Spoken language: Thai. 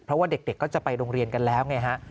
เพราะว่าเด็กก็จะไปโรงเรียนกันแล้วไงฮะ